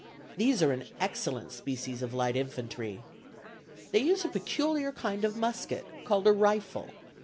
These are an excellent species of light infantry. They use a peculiar kind of musket, called a rifle.